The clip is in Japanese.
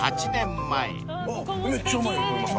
めっちゃうまい鳥政。